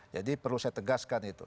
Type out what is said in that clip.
jadi perlu saya tegaskan itu